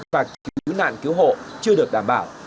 và cứu nạn cứu hộ chưa được đảm bảo